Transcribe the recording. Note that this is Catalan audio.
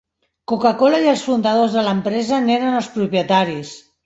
Coca-cola i els fundadors de l'empresa n'eren els propietaris.